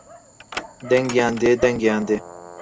دەنگیان دێ دەنگیان دێ